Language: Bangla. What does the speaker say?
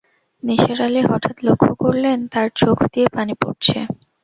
নিসার আলি হঠাৎ লক্ষ করলেন, তাঁর চোখ দিয়ে পানি পড়ছে।